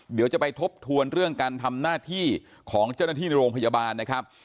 เดี๋ยวจะไปทบทวนเรื่องการทำหน้าที่ของเจ้าหน้าที่ในโรงพยาบาลนะครับ